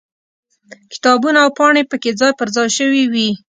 کتابونه او پاڼې پکې ځای پر ځای شوي وي.